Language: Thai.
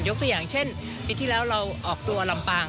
ตัวอย่างเช่นปีที่แล้วเราออกตัวลำปาง